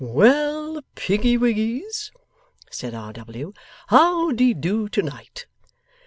'Well Piggywiggies,' said R. W., 'how de do to night?